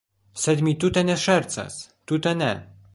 Sed mi tute ne ŝercas, tute ne.